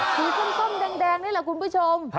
ส้มแดงนี่แหละคุณผู้ชม